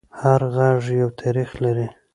هر غږ یو تاریخ لري